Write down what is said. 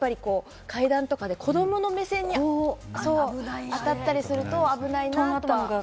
あと駅や階段とかで、子供の目線に当たったりすると危ないなとは思いますね。